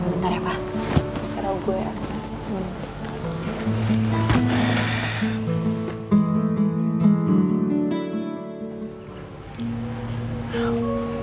bentar ya pa taro gua ya